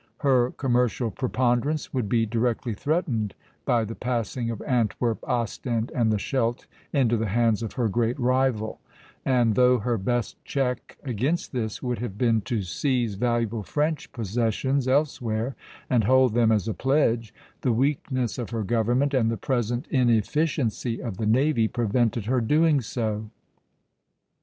Her commercial preponderance would be directly threatened by the passing of Antwerp, Ostend, and the Scheldt into the hands of her great rival; and though her best check against this would have been to seize valuable French possessions elsewhere and hold them as a pledge, the weakness of her government and the present inefficiency of the navy prevented her doing so.